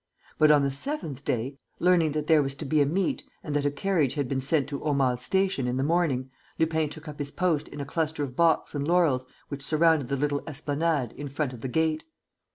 But, on the seventh day, learning that there was to be a meet and that a carriage had been sent to Aumale Station in the morning, Lupin took up his post in a cluster of box and laurels which surrounded the little esplanade in front of the gate.